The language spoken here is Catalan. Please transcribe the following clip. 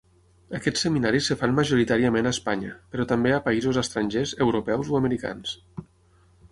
Aquests seminaris es fan majoritàriament a Espanya, però també a països estrangers, europeus o americans.